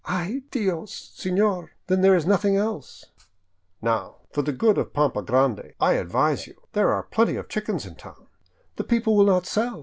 " Ay, Dios, senor, then there is nothing else." " Now, for the good of Pampa Grande, I advise you ! There are plenty of chickens in town." " The people will not sell.